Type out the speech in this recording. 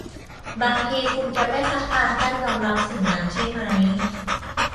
บางทีคุณจะไม่คัดค้านการยอมรับสิ่งนั้นใช่มั้ย